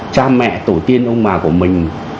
cha mẹ tổ tiên ông mà của mình